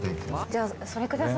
じゃあそれください。